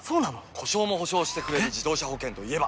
故障も補償してくれる自動車保険といえば？